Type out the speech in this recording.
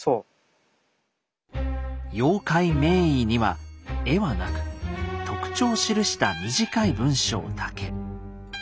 「妖怪名彙」には絵はなく特徴を記した短い文章だけ。